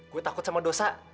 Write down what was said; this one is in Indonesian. gue takut sama dosa